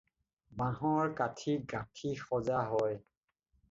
বাঁহৰ কাঠি গাঁঠি সজা হয়।